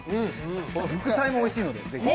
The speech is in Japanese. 副菜もおいしいので、ぜひ。